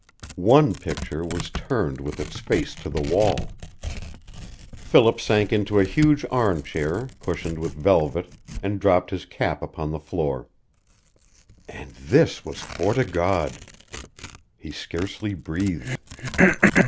One picture was turned with its face to the wall. Philip sank into a huge arm chair, cushioned with velvet, and dropped his cap upon the floor. And this was Fort o' God! He scarcely breathed.